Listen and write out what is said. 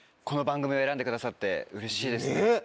この番組を選んでくださってうれしいですね。